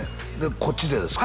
こっちでですか？